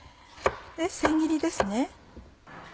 千切りですね。